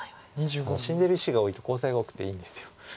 死んでる石が多いとコウ材が多くていいんです。